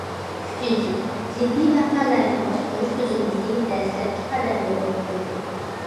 ئۈچىنچى، جىددىي ۋەقەلەرنى باشقۇرۇش تۈزۈلمىسى دەسلەپكى قەدەمدە ئورنىتىلدى.